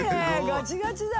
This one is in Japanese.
ガチガチだ。